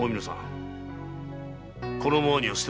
このままには捨ておかぬ！